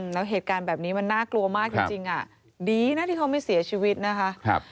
แล้วเหตุการณ์แบบนี้มันน่ากลัวมากจริงดีนะที่เขาไม่เสียชีวิตนะคะ